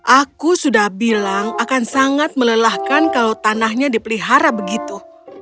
aku sudah bilang akan sangat melelahkan kalau tanahnya dipelihara begitu